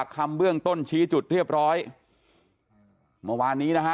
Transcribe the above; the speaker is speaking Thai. ค่ะ